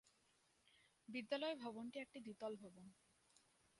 বিদ্যালয়ে ভবনটি একটি দ্বিতল ভবন।